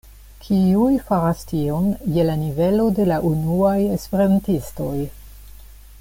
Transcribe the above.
Kiuj faras tion je la nivelo de la unuaj esperantistoj?